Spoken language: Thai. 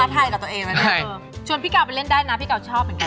ต่อไปค่ะ